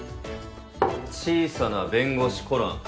『小さな弁護士コラン』。